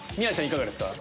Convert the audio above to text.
いかがですか？